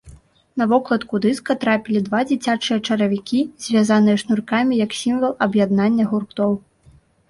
На вокладку дыска трапілі два дзіцячыя чаравікі, звязаныя шнуркамі як сімвал аб'яднання гуртоў.